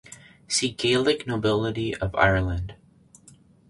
See Gaelic nobility of Ireland.